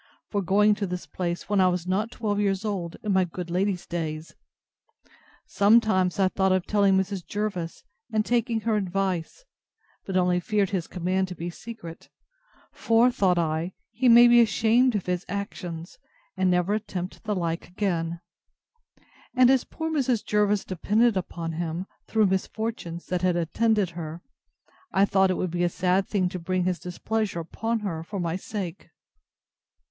for going to this place, when I was not twelve years old, in my good lady's days! Sometimes I thought of telling Mrs. Jervis, and taking her advice, and only feared his command to be secret; for, thought I, he may be ashamed of his actions, and never attempt the like again: And as poor Mrs. Jervis depended upon him, through misfortunes, that had attended her, I thought it would be a sad thing to bring his displeasure upon her for my sake.